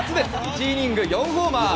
１イニング４ホーマー！